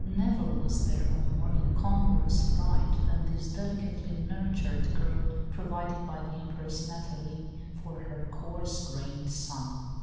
Never was there a more incongruous bride than this delicately nurtured girl provided by the Empress Nathalie for her coarse grained son.